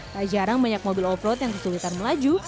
tak jarang banyak mobil off road yang kesulitan melaju